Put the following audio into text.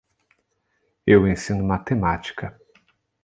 Eu ensino matemática.